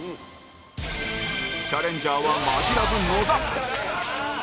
チャレンジャーはマヂラブ野田